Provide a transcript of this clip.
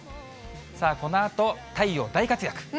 さあ、このあと太陽、大活躍。